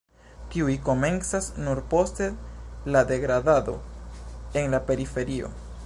Tiuj komencas nur poste la degradado en la periferio.